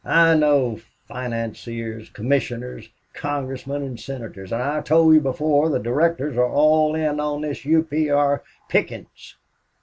I know financiers, commissioners, Congressmen, and Senators and I told you before the directors are all in on this U. P. R. pickings.